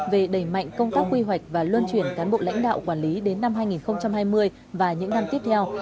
về đẩy mạnh công tác quy hoạch và luân chuyển cán bộ lãnh đạo quản lý đến năm hai nghìn hai mươi và những năm tiếp theo